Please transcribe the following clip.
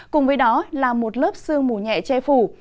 cùng với đó là một lớp sương mù nhẹ che phủ